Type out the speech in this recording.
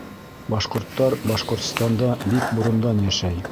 Башҡорттар Башҡортостанда бик борондан йәшәй